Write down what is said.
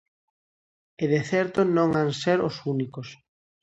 E de certo non han ser os únicos.